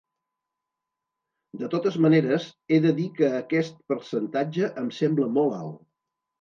De totes maneres, he de dir que aquest percentatge em sembla molt alt.